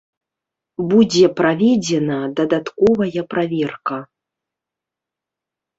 Будзе праведзена дадатковая праверка.